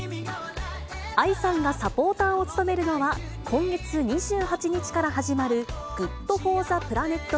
ＡＩさんがサポーターを務めるのは、今月２８日から始まるＧｏｏｄＦｏｒｔｈｅＰｌａｎｅｔ